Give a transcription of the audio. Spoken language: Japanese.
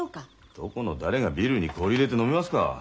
どこの誰がビールに氷入れて飲みますか。